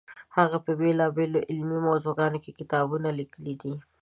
هغه په بېلابېلو علمي موضوعاتو کې کتابونه لیکلي دي.